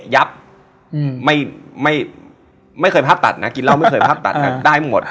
ยับไม่ไม่ไม่เคยภาพตัดนะกินเหล้าไม่เคยภาพตัดค่ะได้หมด